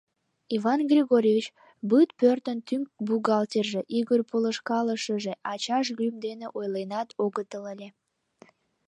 Иван Григорьевич — Быт пӧртын тӱҥ бухгалтерже, Игорь — полышкалышыже, ачаж лӱм дене ойленат огытыл ыле.